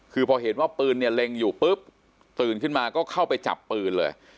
คือพอเห็นว่าปืนเนี่ยเล็งอยู่ปุ๊บตื่นขึ้นมาก็เข้าไปจับปืนเลย